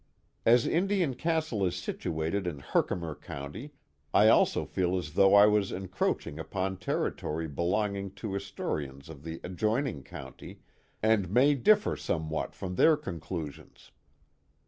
As Indian Castle is situated in Herkimer County, I also feel as though I was encroaching upon territory belonging to historians of the ad joining county, and may differ somewhat from their conclusions.